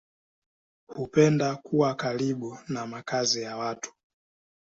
Hupenda kuwa karibu na makazi ya watu.